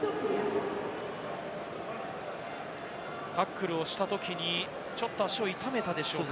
タックルをしたときに、ちょっと足を痛めたでしょうか？